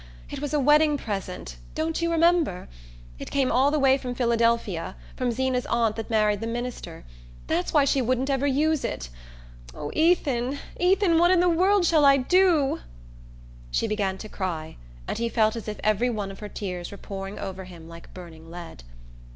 It was a wedding present don't you remember? It came all the way from Philadelphia, from Zeena's aunt that married the minister. That's why she wouldn't ever use it. Oh, Ethan, Ethan, what in the world shall I do?" She began to cry, and he felt as if every one of her tears were pouring over him like burning lead.